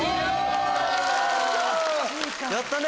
やったね！